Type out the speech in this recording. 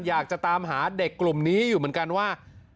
อยากจะตามหาเด็กกลุ่มนี้อยู่เหมือนกันว่า